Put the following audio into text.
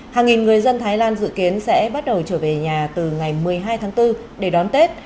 hàng nghìn người dân thái lan dự kiến sẽ bắt đầu trở về nhà từ ngày một mươi hai tháng bốn để đón tết